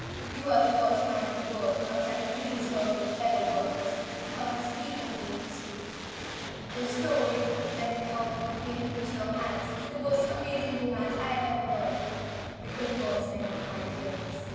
You are the first man in the world, outside a little circle of fellow workers, to speak to me of this perfect food. Your story as to how it came into your hands is the most amazing romance I have ever heard. It confirms many of my theories.